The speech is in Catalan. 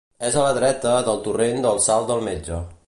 És a la dreta del torrent del Salt del Metge.